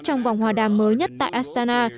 trong vòng hòa đàm mới nhất tại astana